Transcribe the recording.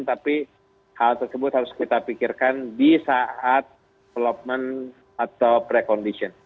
tapi hal tersebut harus kita pikirkan di saat development atau prekondition